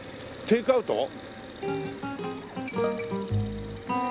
テイクアウト？